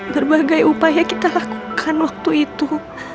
berbagai upaya kita lakukan waktu itu